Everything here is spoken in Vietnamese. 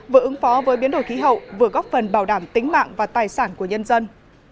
vừa ứng phó với biến đổi khí hậu vừa góp phần bảo đảm tính mạng và tài sản của nhân dân